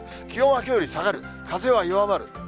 気温はきょうより下がる、風は弱まる。